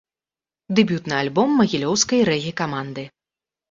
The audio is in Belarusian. Дэбютны альбом магілёўскай рэгі-каманды.